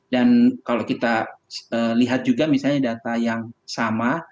dan kalau kita lihat juga misalnya data yang sama